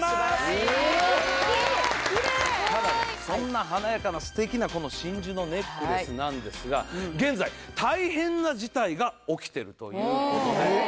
そんな華やかなステキなこの真珠のネックレスなんですが現在大変な事態が起きてるということで。